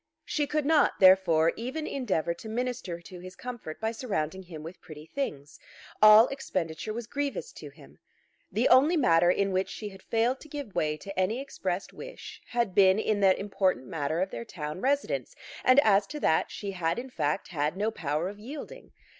She could not, therefore, even endeavour to minister to his comfort by surrounding him with pretty things. All expenditure was grievous to him. The only matter in which she had failed to give way to any expressed wish had been in that important matter of their town residence; and, as to that, she had in fact had no power of yielding.